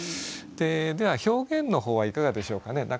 では表現の方はいかがでしょうかね。